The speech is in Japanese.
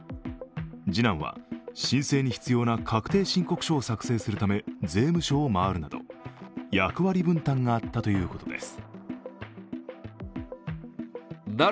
次男は申請に必要な確定申告書を作成するため税務署を回るなど役割分担があったということです。